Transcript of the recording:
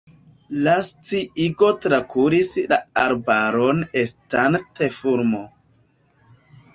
La sciigo trakuris la arbaron estante fulmo.